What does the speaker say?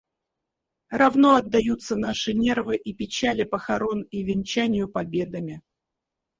Равно отдаются наши нервы и печали похорон и венчанию победами.